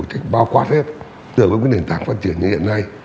hoạt hết từ nền tảng phát triển như hiện nay